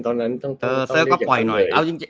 ตอนนั้นต้องเรียกอย่างน้อย